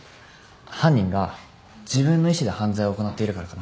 犯人が自分の意思で犯罪を行っているからかな。